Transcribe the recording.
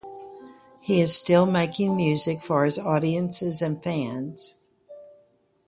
He is still making music for his audiences and fans.